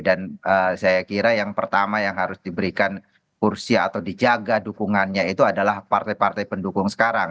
dan saya kira yang pertama yang harus diberikan kursi atau dijaga dukungannya itu adalah partai partai pendukung sekarang